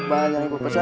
banyak yang gue pesan